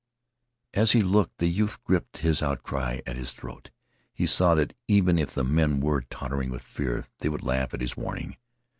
As he looked the youth gripped his outcry at his throat. He saw that even if the men were tottering with fear they would laugh at his warning.